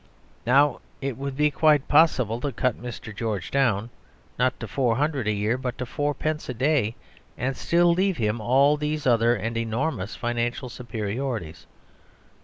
Now, it would be quite possible to cut Mr. George down, not to four hundred a year, but to fourpence a day; and still leave him all these other and enormous financial superiorities.